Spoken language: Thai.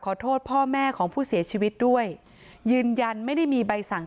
โทษพ่อแม่ของผู้เสียชีวิตด้วยยืนยันไม่ได้มีใบสั่ง